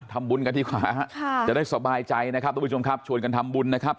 ทำบุญกันดีกว่าค่ะจะได้สบายใจนะครับทุกผู้ชมครับชวนกันทำบุญนะครับ